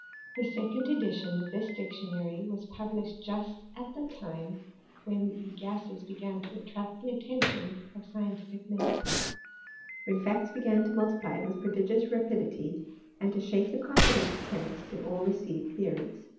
The second edition of this dic tionary was published just at the time when the gases began to attract the attention of scientific men ; when facts began to multiply with prodigious rapidity, and to shake the confidence of chemists in all received theo ries.